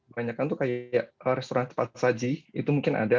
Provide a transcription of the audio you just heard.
banyaknya itu kayak restoran tepat saji itu mungkin ada